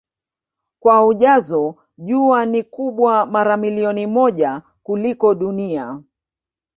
Kwa ujazo Jua ni kubwa mara milioni moja kuliko Dunia.